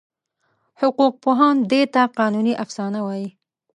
حقوقپوهان دې ته قانوني افسانه وایي.